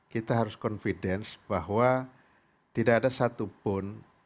kita harus confidence bahwa tidak ada satupun